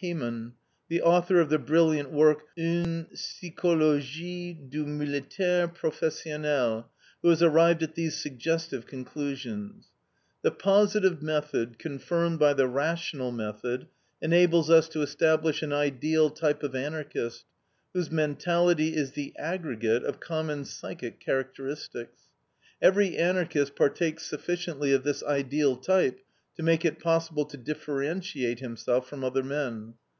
Hamon, the author of the brilliant work, UNE PSYCHOLOGIE DU MILITAIRE PROFESSIONEL, who has arrived at these suggestive conclusions: "The positive method confirmed by the rational method enables us to establish an ideal type of Anarchist, whose mentality is the aggregate of common psychic characteristics. Every Anarchist partakes sufficiently of this ideal type to make it possible to differentiate him from other men.